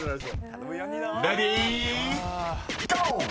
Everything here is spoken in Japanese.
［レディーゴー！］